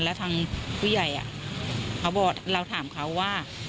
แล้วทางผู้ใหญ่เขาบอกเราถามเขาว่า